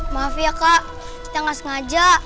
maaf ya kak kita gak sengaja